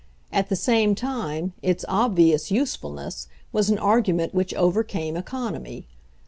At the same time its obvious usefulness was an argument which overcame economy.